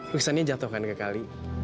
liksannya jatuhkan ke kali